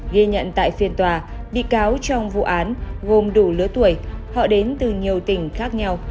ghi nhận tại phiên tòa bị cáo trong vụ án gồm đủ lứa tuổi họ đến từ nhiều tỉnh khác nhau